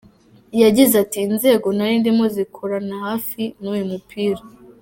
Yagize ati “Inzego nari ndimo zikorana hafi n’uyu mupira.